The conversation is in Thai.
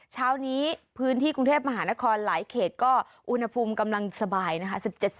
เช้านี้พื้นที่กรุงเทพมหานครหลายเขตก็อุณหภูมิกำลังสบายนะคะ